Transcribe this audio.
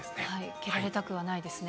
蹴られたくはないですね。